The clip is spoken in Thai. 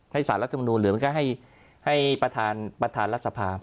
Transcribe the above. ให้สารรัฐมนุษย์หรือแค่ให้ประธานรัฐศพา